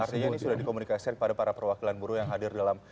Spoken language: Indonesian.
artinya ini sudah dikomunikasikan kepada para perwakilan buruh yang hadir dalam